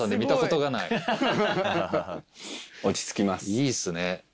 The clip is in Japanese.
いいっすね。